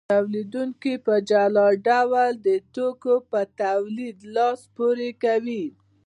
تولیدونکي په جلا ډول د توکو په تولید لاس پورې کوي